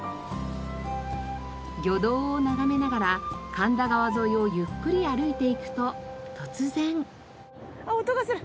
魚道を眺めながら神田川沿いをゆっくり歩いて行くと突然。あっ音がする。